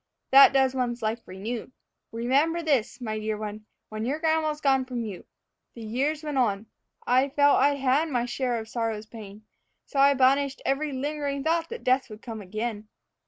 That does one's life renew, Remember this, my dear one, when your grandma's gone from you. The years went on. I felt I'd had my share of sorrow's pain, So I banished every lingering thought that Death could come again.